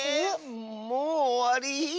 もうおわり？